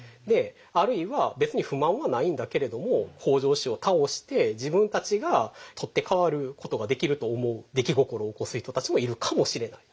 あるいは別に不満はないんだけれども北条氏を倒して自分たちが取って代わることができると思う出来心を起こす人たちもいるかもしれない。